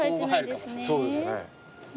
そうですね。